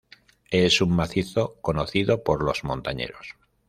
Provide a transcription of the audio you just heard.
Es un macizo conocido por los montañeros.